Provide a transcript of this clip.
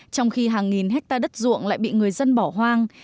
trong khi hàng nghìn hectare đất ruộng lại bị người dân bỏ hoang